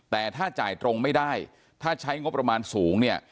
แต่ถ้าจ่ายตรงไม่ได้ถ้าใช้งบประมาณสูงเนี่ย